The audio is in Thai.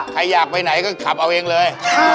ใครอยากไปไหนก็ขับเอาเองเลย